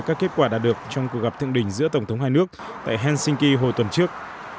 các kết quả đạt được trong cuộc gặp thượng đỉnh giữa tổng thống hai nước tại helsinki hồi tuần trước